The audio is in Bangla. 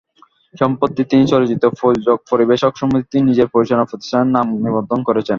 সম্প্রতি তিনি চলচ্চিত্র প্রযোজক-পরিবেশক সমিতিতে নিজের প্রযোজনা প্রতিষ্ঠানের নাম নিবন্ধন করেছেন।